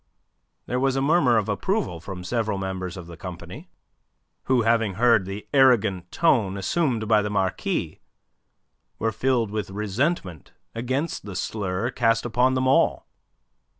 There was a murmur of approval from several members of the company, who, having heard the arrogant tone assumed by the Marquis, were filled with resentment against the slur cast upon them all.